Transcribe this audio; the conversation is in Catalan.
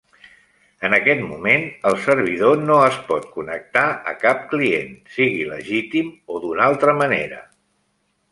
En aquest moment, el servidor no es pot connectar a cap client, sigui legítim o d'una altra manera.